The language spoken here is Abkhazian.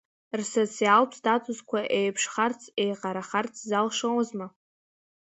Рсоциалтә статусқәа еиԥшхарц, еиҟарахарц залшозма?